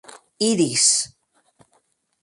Iris.